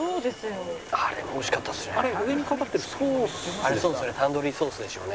あれも美味しかったですね。